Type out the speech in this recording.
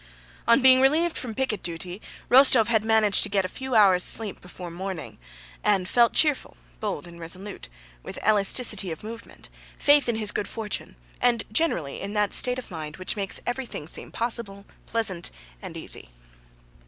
On being relieved from picket duty Rostóv had managed to get a few hours' sleep before morning and felt cheerful, bold, and resolute, with elasticity of movement, faith in his good fortune, and generally in that state of mind which makes everything seem possible, pleasant, and easy.